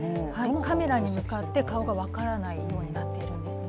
カメラに向かって、顔が分からないようになっているんですね。